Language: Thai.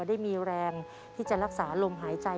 ได้มีแรงที่จะรักษาลมหายใจ